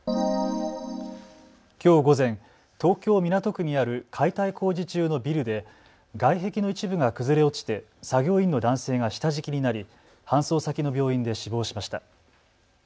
きょう午前、東京港区にある解体工事中のビルで外壁の一部が崩れ落ちて作業員の男性が下敷きになり搬送先の病院で死亡しました。